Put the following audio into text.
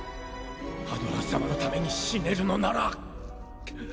ハドラー様のために死ねるのなら。